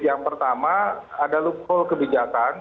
yang pertama ada loophole kebijakan